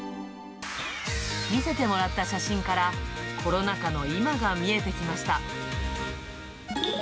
見せてもらった写真からコロナ禍の今が見えてきました。